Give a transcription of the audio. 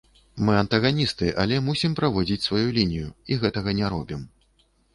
Мы антаганісты, але мусім праводзіць сваю лінію, і гэтага не робім.